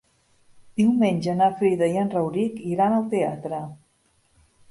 Diumenge na Frida i en Rauric iran al teatre.